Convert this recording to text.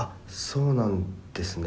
そうなんですね